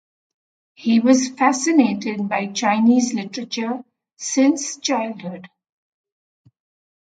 He was fascinated by Chinese literature since childhood.